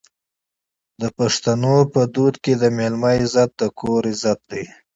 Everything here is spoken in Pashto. د پښتنو په کلتور کې د میلمه عزت د کور عزت دی.